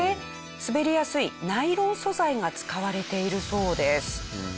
滑りやすいナイロン素材が使われているそうです。